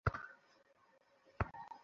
এটাই তার একাউন্ট।